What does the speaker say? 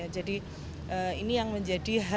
jadi ini yang menjadi hal